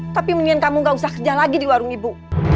tapi mendingan kamu gak usah kerja lagi di warung ibu